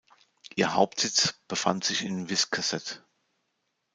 Ihr Hauptsitz befand sich in Wiscasset.